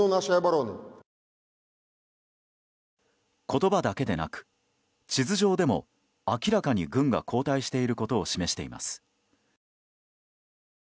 言葉だけでなく、地図上でも明らかに軍が後退していることを示しています。